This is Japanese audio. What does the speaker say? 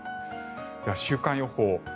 では、週間予報。